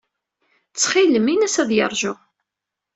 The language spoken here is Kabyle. Ttxil-m, ini-as ad yeṛju.